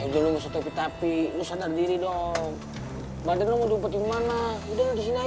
joragannya dong ghi